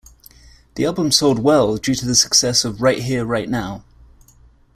The album sold well, due to the success of "Right Here, Right Now".